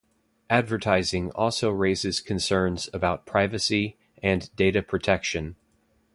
Advertising also raises concerns about privacy and data protection.